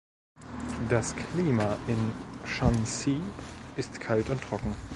Das Klima in Shanxi ist kalt und trocken.